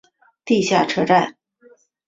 地下车站。